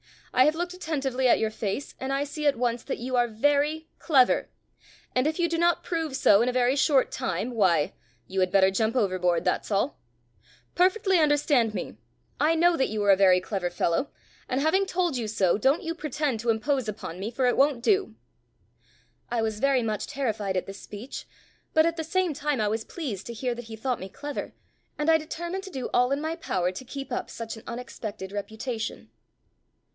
I have looked attentively at your face and I see at once that you are very clever, and if you do not prove so in a very short time, why you had better jump overboard, that's all. Perfectly understand me. I know that you are a very clever fellow, and having told you so, don't you pretend to impose upon me, for it won't do." I was very much terrified at this speech, but at the same time I was pleased to hear that he thought me clever, and I determined to do all in my power to keep up such an unexpected reputation.